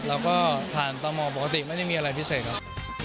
แล้วก็ผ่านต่อหมอปกติไม่ได้มีอะไรพิเศษครับ